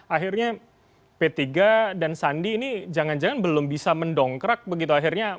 akhirnya p tiga dan sandi ini jangan jangan belum bisa mendongkrak begitu akhirnya